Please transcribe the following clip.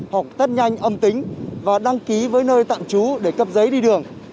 hoặc test nhanh âm tính và đăng ký với nơi tạm trú để cấp giấy đi đường